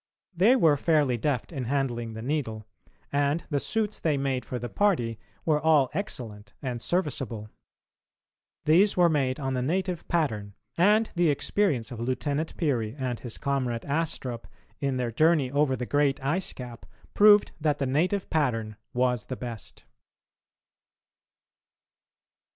They were fairly deft in handling the needle, and the suits they made for the party were all excellent and serviceable. These were made on the native pattern, and the experience of Lieutenant Peary and his comrade Astrup in their journey over the great ice cap proved that the native pattern was the best.